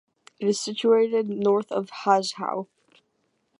It is situated north of Hezhou.